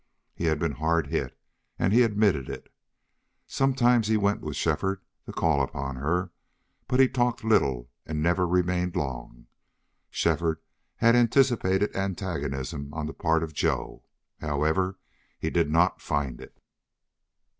He had been hard hit, and admitted it. Sometimes he went with Shefford to call upon her, but he talked little and never remained long. Shefford had anticipated antagonism on the part of Joe; however, he did not find it.